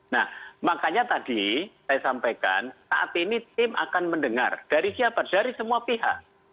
nah makanya tadi saya sampaikan saat ini tim akan mendengar dari siapa dari semua pihak